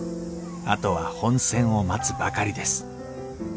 あとは本選を待つばかりです